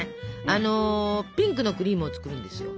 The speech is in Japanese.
あのピンクのクリームを作るんですよ。